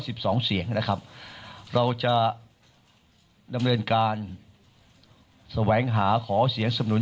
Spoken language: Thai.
สิบสองเสียงนะครับเราจะดำเนินการแสวงหาขอเสียงสนุน